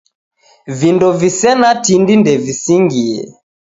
Vindo visena tindi ndevisingie.